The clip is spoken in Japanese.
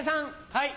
はい。